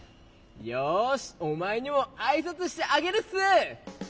よしおまえにもあいさつしてあげるっす！